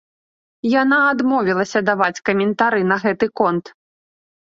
Яна адмовілася даваць каментары на гэты конт.